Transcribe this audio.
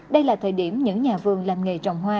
đây là thời điểm những nhà vườn làm nghề trồng hoa